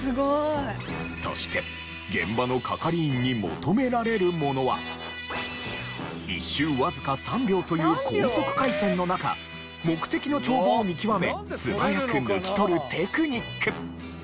そして１周わずか３秒という高速回転の中目的の帳簿を見極め素早く抜き取るテクニック。